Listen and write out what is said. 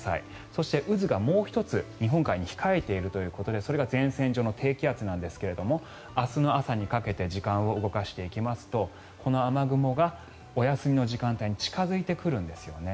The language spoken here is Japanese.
そして、渦がもう１つ日本海に控えているということでそれが前線上の低気圧なんですが明日の朝にかけて時間を動かしていきますとこの雨雲がお休みの時間帯に近付いてくるんですよね。